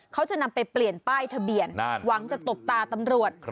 เขาจะนำไปเปลี่ยนป้ายทะเบียนหวังจะตบตาตำรวจ